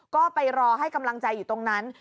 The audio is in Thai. ก็ไปรอให้กำลังใจอยู่ตรงนั้น